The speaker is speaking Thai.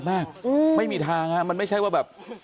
ไม่มีทางฮะมันไม่ใช่ว่าแบบ